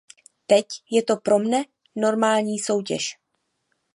Teď je to pro mne normální soutěž.